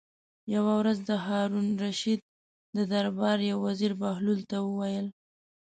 یوه ورځ د هارون الرشید د دربار یو وزیر بهلول ته وویل.